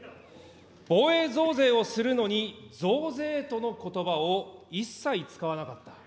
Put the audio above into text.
防衛増税をするのに、増税とのことばを一切使わなかった。